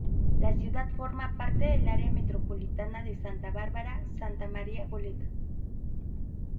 La ciudad forma parte del Área metropolitana de Santa Bárbara-Santa María-Goleta.